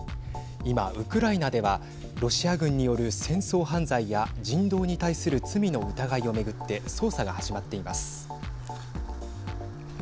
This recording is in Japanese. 今、ウクライナではロシア軍による戦争犯罪や人道に対する罪の疑いをめぐって捜査が始まっています。